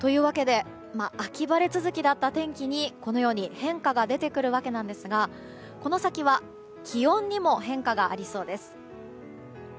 秋晴れ続きだった天気に変化が出てくるわけなんですがこの先は気温にも変化がありそうです。